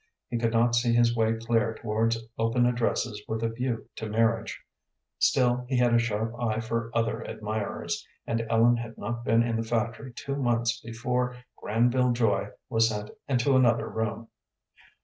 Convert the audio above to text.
He could not see his way clear towards open addresses with a view to marriage. Still, he had a sharp eye for other admirers, and Ellen had not been in the factory two months before Granville Joy was sent into another room.